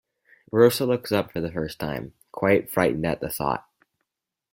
Rosa looks up for the first time, quite frightened at the thought.